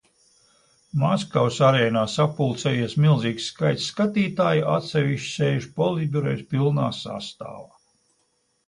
Maskavas arēnā sapulcējies milzīgs skaits skatītāju, atsevišķi sēž politbirojs pilnā sastāvā.